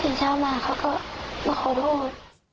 เดี๋ยวเช้ามาเขาก็บอกขอโทษ